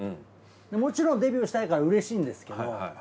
もちろんデビューしたいからうれしいんですけど。